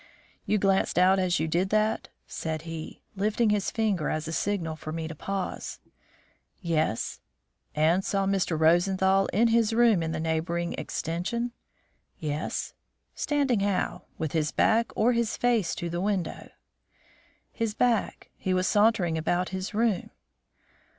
"You glanced out as you did that?" said he, lifting his finger as a signal for me to pause. "Yes." "And saw Mr. Rosenthal in his room in the neighbouring extension?" "Yes." "Standing how? With his back or his face to the window?" "His back. He was sauntering about his room."